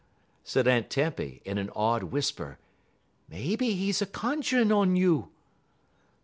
said Aunt Tempy, in an awed whisper, "maybe he's a cunju'n un you."